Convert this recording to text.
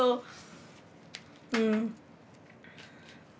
うん。